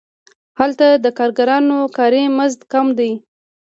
هلته د کارګرانو کاري مزد کم دی